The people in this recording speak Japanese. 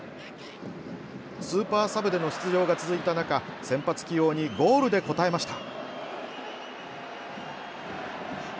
スーパーサブでの出場が続いた中先発起用にゴールで応えました。